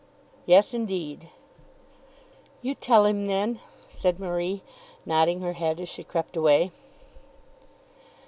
"Yes, indeed." "You tell him, then," said Marie, nodding her head as she crept away.